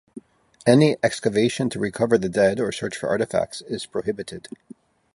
Any excavation to recover the dead or search for artifacts is prohibited.